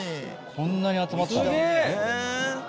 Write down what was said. こんなに集まったの？